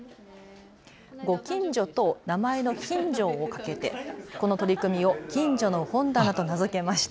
ご近所と名前の金城をかけてこの取り組みをきんじょの本棚と名付けました。